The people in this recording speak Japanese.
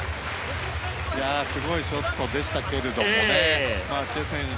すごいショットでしたけれどもね。